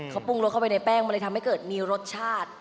เขาปรุงรสเข้าไปในแป้งมันเลยทำให้เกิดมีรสชาติ